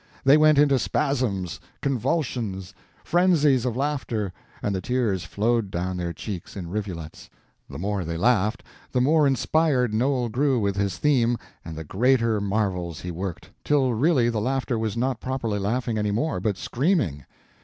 They went into spasms, convulsions, frenzies of laughter, and the tears flowed down their cheeks in rivulets. The more they laughed, the more inspired Noel grew with his theme and the greater marvels he worked, till really the laughter was not properly laughing any more, but screaming.